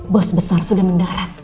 bos besar sudah mendarat